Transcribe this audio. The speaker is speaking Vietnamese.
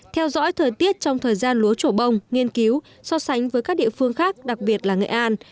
theo dõi thời tiết trong thời gian lúa trổ bông nghiên cứu so sánh với các địa phương khác đặc biệt là nghệ an